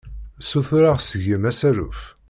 Ssutureɣ seg-m asaruf.